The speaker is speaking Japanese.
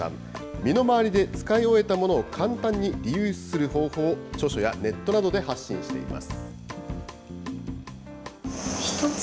身の回りで使い終えたものを簡単にリユースする方法を、著書やネットなどで発信しています。